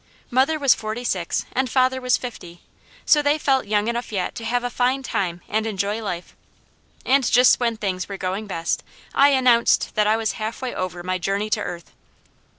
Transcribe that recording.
Mother was forty six and father was fifty; so they felt young enough yet to have a fine time and enjoy life, and just when things were going best, I announced that I was halfway over my journey to earth.